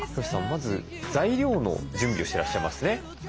まず材料の準備をしてらっしゃいますね。